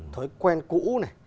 thói quen cũ